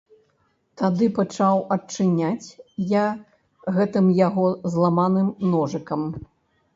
Тады пачаў адчыняць я гэтым яго зламаным ножыкам.